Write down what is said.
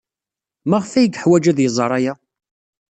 Maɣef ay yeḥwaj ad iẓer aya?